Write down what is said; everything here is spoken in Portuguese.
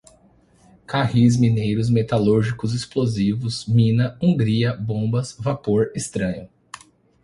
carris, mineiros, metalúrgicos, explosivos, mina, Hungria, bombas, vapor, estanho